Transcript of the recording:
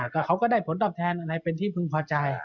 ก็เขาก็ได้ผลตอบแทนอะไรเป็นที่พึงพอใจ